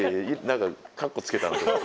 何かかっこつけた。